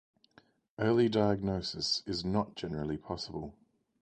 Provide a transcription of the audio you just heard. Early diagnosis is not generally possible.